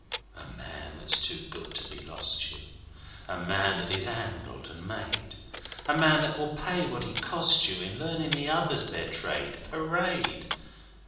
A man that's too good to be lost you, A man that is 'andled an' made A man that will pay what 'e cost you In learnin' the others their trade parade!